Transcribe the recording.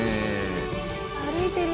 歩いてる。